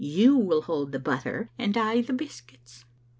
You will hold the butter and I the biscuits."